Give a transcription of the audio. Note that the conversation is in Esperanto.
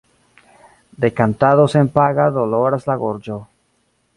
De kantado senpaga doloras la gorĝo.